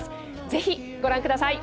ぜひご覧下さい！